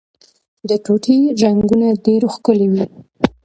د طوطي رنګونه ډیر ښکلي وي